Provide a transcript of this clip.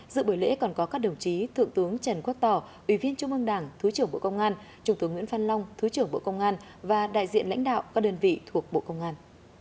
dự buổi lễ còn có các đồng chí thượng tướng trần quốc tỏ ủy viên trung ương đảng thứ trưởng bộ công an trung tướng nguyễn phan long thứ trưởng bộ công an và đại diện lãnh đạo các đơn vị thuộc bộ công an